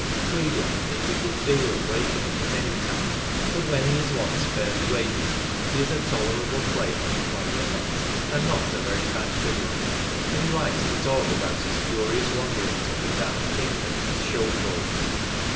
" Tweedler" needs a good deal of wakening at any time; but when he is once fairly wakened, he is a tolerable player on the clarionet, and not a very bad fiddler ; and he likes to talk about his curious wanderings up and down the kingdom, with show folk.